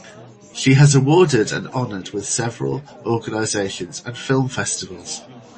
She has awarded and honored with several organizations and film festivals.